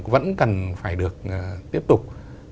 vẫn cần phải được tiếp tục